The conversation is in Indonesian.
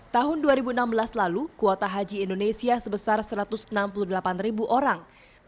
tahun dua ribu enam belas lalu kuota haji indonesia sebesar satu ratus enam puluh delapan ribu orang